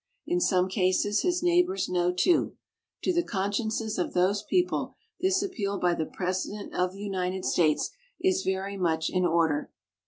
In some cases his neighbors know too. To the consciences of those people, this appeal by the President of the United States is very much in order.